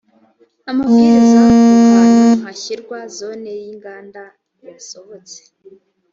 amabwiriza ku hantu hashyirwa zone y’inganda yasohotse